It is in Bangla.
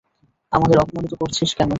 আমাদের অপমানিত করছিস কেন?